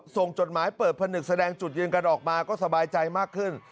จดหมายเปิดผนึกแสดงจุดยืนกันออกมาก็สบายใจมากขึ้น